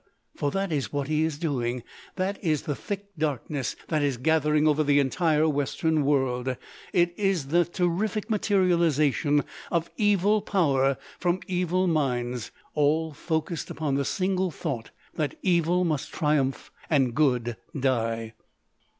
For that is what he is doing. That is the thick darkness that is gathering over the entire Western world. It is the terrific materialisation of evil power from evil minds, all focussed upon the single thought that evil must triumph and good die!"